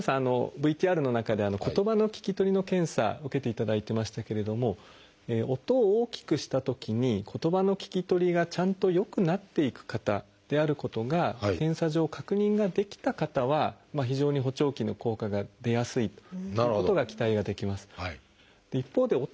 ＶＴＲの中で言葉の聞き取りの検査受けていただいてましたけれども音を大きくしたときに言葉の聞き取りがちゃんと良くなっていく方であることが検査上確認ができた方は非常に補聴器の効果が出やすいということが期待はできます。